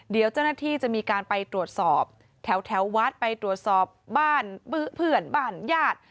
เดี๋ยวเจ้าหน้าที่จะมีการไปตรวจสอบแถววัดไปตรวจสอบบ้านเพื่อนบ้านญาติ